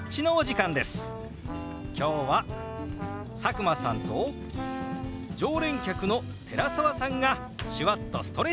今日は佐久間さんと常連客の寺澤さんが手話っとストレッチ。